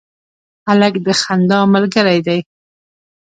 هلک د خندا ملګری دی.